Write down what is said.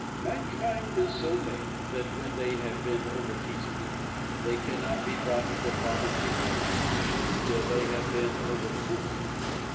Bayle. Mankind is so made that, when they have been over heated, they cannot be brought to a proper temper again till they have been over cooled.